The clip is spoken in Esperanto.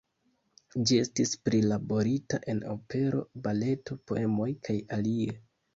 Ĝi estis prilaborita en opero, baleto, poemoj kaj alie.